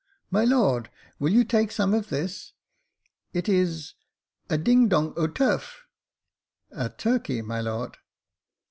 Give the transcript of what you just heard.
" My lord, will you take some of this ?— it is — a ding dong o' turf— 2. turkey, my lord."